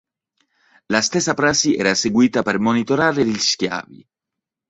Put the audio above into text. La stessa prassi era seguita per monitorare gli schiavi.